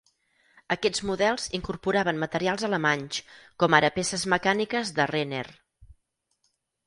Aquests models incorporaven materials alemanys, com ara peces mecàniques de Renner.